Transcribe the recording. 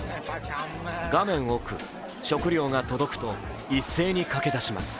画面奥、食料が届くと一斉にかけ出します。